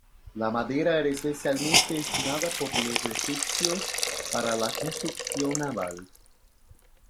La madera era especialmente estimada por los egipcios para la construcción naval.